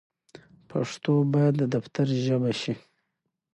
پښتو بايد د دفتر ژبه شي.